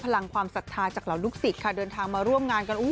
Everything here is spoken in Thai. พลังความศรัทธาจากเหล่าลูกศิษย์ค่ะเดินทางมาร่วมงานกัน